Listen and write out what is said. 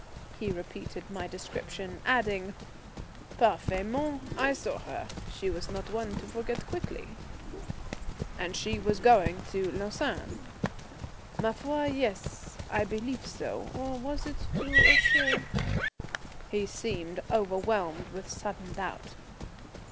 He repeated my description, adding, "Parfaitement, I saw her. She was not one to forget quickly." "And she was going to Lausanne?" "Ma foi, yes, I believe so; or was it to Ouchy?" He seemed overwhelmed with sudden doubt.